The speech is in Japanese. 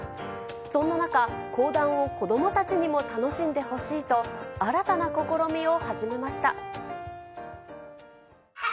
そんな中、講談を子どもたちにも楽しんでほしいと、新たな試みを始めました。